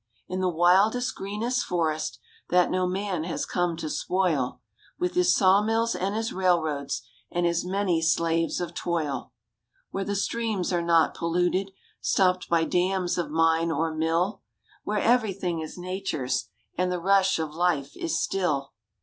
In the wildest, greenest forest, That no man has come to spoil, With his sawmills and his railroads, And his many slaves of toil— Where the streams are not polluted, Stopped by dams of mine or mill, Where everything is Nature's And the rush of life is still.